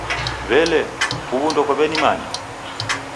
W'ele, huw'u ndokwaw'enimanya?